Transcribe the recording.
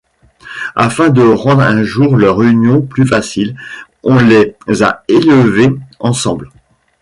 Afin de rendre un jour leur union plus facile, on les a élevés ensemble.